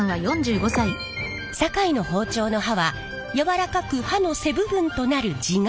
堺の包丁の刃は軟らかく刃の背部分となる地金。